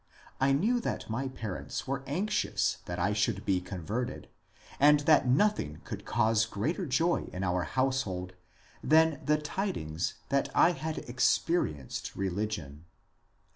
I knew that my parents were anxious that I should be " converted," and that nothing could cause greater joy in our household than the tidings that I had ^^ experienced religion."